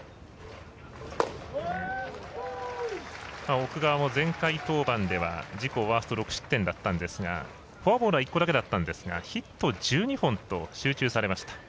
奥川も前回登板では自己ワースト６失点だったんですがフォアボールは１個だけだったんですがヒット１２本と集中されました。